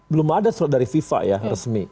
belum ada surat dari fifa ya resmi